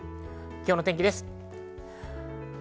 今日の天気です。